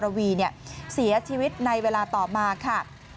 ทำให้นายกรวีเนี่ยเสียชีวิตในเวลาต่อมาค่ะ